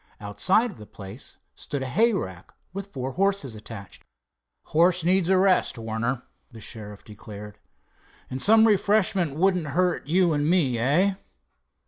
Outside of the place stood a hayrack with four horses attached. "Horse needs a rest, Warner," the sheriff declared, "and some refreshment wouldn't hurt you and me, hey?"